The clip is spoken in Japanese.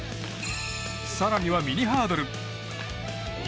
更には、ミニハードル。